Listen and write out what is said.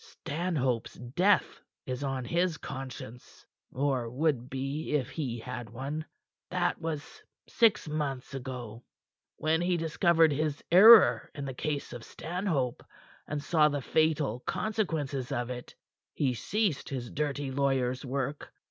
Stanhope's death is on his conscience or would be if he had one. That was six months ago. When he discovered his error in the case of Stanhope and saw the fatal consequences it had, he ceased his dirty lawyer's work.